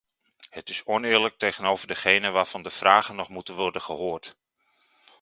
Het is oneerlijk tegenover degenen waarvan de vragen nog moeten worden gehoord.